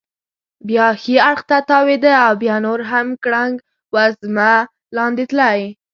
بیا ښي اړخ ته تاوېده او بیا نور هم ګړنګ وزمه لاندې تلی.